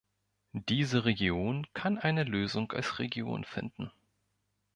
Diese Region kann eine Lösung als Region finden.